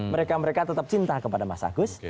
mereka mereka tetap cinta kepada mas agus